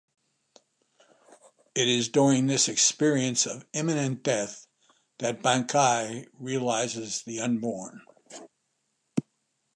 It is during this experience of imminent death that Bankei realizes the unborn.